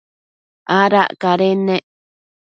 Adac cadennec